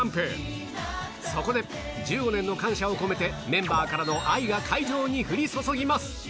そこで１５年の感謝を込めて、メンバーからの愛が会場に降り注ぎます。